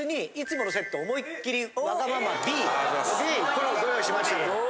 これをご用意しましたので。